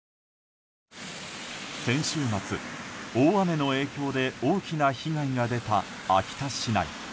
先週末、大雨の影響で大きな被害が出た秋田市内。